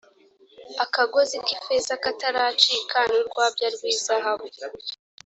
akagozi k ifeza kataracika n urwabya rw izahabu